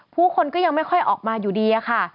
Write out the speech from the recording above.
ผู้คนก็ยังไม่ค่อยออกมาอยู่ดีอะค่ะ